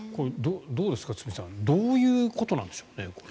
どうですか、堤さんどういうことなのでしょうかね。